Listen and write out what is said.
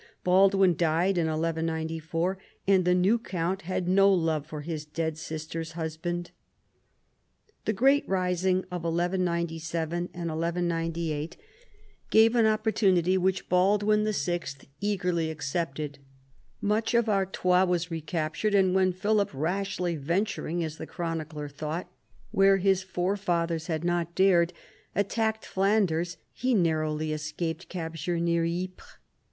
Baldwin died in 1194, and the new count had no love for his dead sister's husband. The great rising of 1197 98 gave an 94 PHILIP AUGUSTUS chap. opportunity which Baldwin VI. eagerly accepted ; much of Artois was recaptured, and when Philip, rashly ventur ing, as the chronicler thought, where his forefathers had not dared, attacked Flanders, he narrowly escaped cap ture near Ypres.